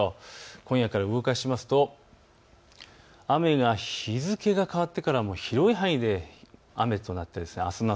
今夜から動かしますと日付が変わってからも広い範囲で雨です。